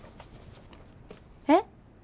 えっ！？